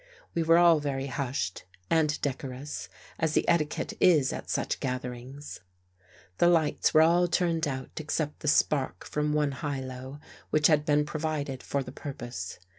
We were all very hushed and decorous, as the etiquette is at such gatherings. 114 FIGHTING THE DEVIL WITH FIRE The lights were all turned out except the spark from one hylo which had been provided for the purpose.